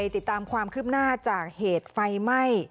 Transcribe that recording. ติดตามความคืบหน้าจากเหตุไฟไหม้